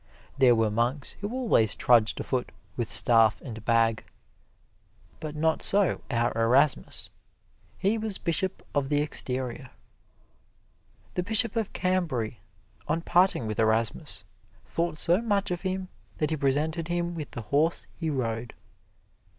There were monks who always trudged afoot with staff and bag, but not so our Erasmus. He was Bishop of the Exterior. The Bishop of Cambray, on parting with Erasmus, thought so much of him that he presented him with the horse he rode.